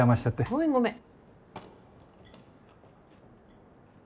ごめんごめん。